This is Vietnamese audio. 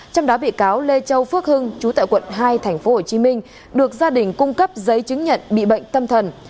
trong đó bị cáo lê châu phước hưng chú tại quận hai tp hcm được gia đình cung cấp giấy chứng nhận bị bệnh tâm thần